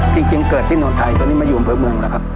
จริงเกิดที่โน่นไทยตอนนี้ไม่อยู่เมืองเหรอครับ